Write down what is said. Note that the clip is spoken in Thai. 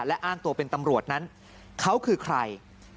และอ้างตัวเป็นตำรวจนั้นเขาคือใคร